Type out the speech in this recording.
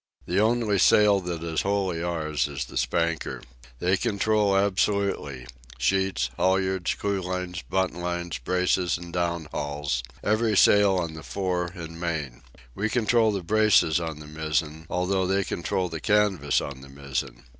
The only sail that is wholly ours is the spanker. They control absolutely—sheets, halyards, clewlines, buntlines, braces, and down hauls—every sail on the fore and main. We control the braces on the mizzen, although they control the canvas on the mizzen.